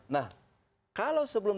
nah kalau sebelum